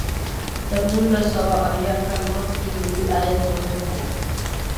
تر نولس سوه اویا کال مخکې ملي عاید مهم و.